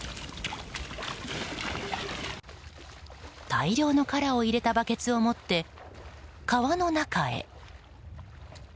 大量の殻を入れたバケツを持って川の中へ。